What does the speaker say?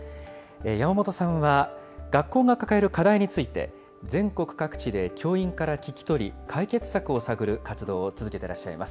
山本さんは学校が抱える課題について、全国各地で教員から聞き取り、解決策を探る活動を続けてらっしゃいます。